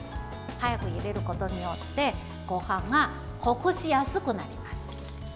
早く入れることによってごはんがほぐしやすくなります。